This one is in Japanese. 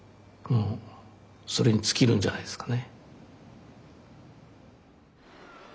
もうそれに尽きるんじゃないですかね。